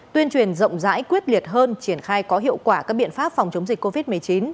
tuyên truyền rộng rãi quyết liệt hơn triển khai có hiệu quả các biện pháp phòng chống dịch covid một mươi chín